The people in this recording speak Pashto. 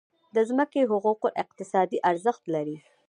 د ځمکې حقوق اقتصادي ارزښت لري.